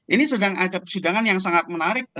ini sedang ada persidangan yang sangat menarik